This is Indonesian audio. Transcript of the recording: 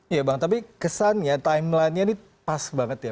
iya bang tapi kesannya timelinenya ini pas banget ya